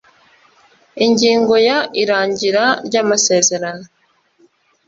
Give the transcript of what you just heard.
ingingo ya irangira ry amasezerano